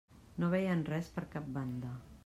No veien res per cap banda.